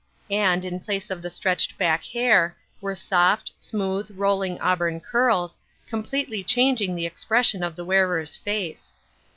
And, in place of the stretched back hair, were soft, smooth, rolling auburn curls, completely chang ing the expression of the wearer's face.